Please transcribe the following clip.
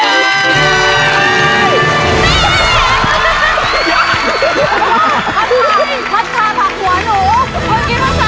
พัชชาพักหัวหนู